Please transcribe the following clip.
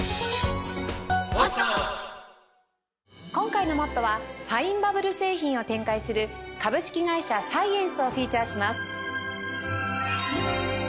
今回の『ＭＯＴＴＯ！！』はファインバブル製品を展開する株式会社サイエンスをフィーチャーします。